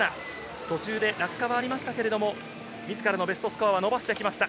途中で落下はありましたが、自らのベストスコアは伸ばしてきました。